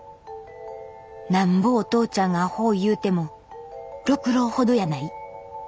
なんぼお父ちゃんがアホいうても六郎ほどやない。